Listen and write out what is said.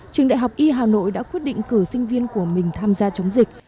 trường đại học y hà nội đã quyết định cử sinh viên của mình tham gia chống dịch